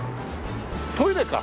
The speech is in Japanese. トイレか。